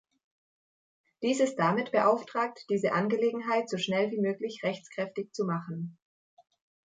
Dies ist damit beauftragt, diese Angelegenheit so schnell wie möglich rechtskräftig zu machen.